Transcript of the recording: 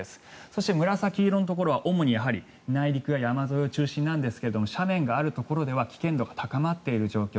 そして紫色のところは主に内陸や山沿いを中心になんですが斜面があるところでは危険度が高まっている状況。